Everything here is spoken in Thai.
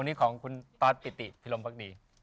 อันนี้ของคุณตอสปิติพิรมภักดี